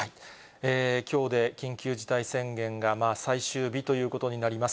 きょうで緊急事態宣言が最終日ということになります。